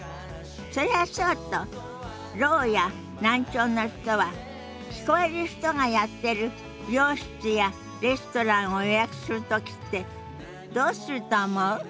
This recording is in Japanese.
それはそうとろうや難聴の人は聞こえる人がやってる美容室やレストランを予約する時ってどうすると思う？